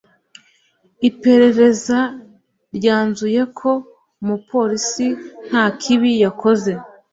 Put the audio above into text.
Iperereza ryanzuye ko umupolisi nta kibi yakoze.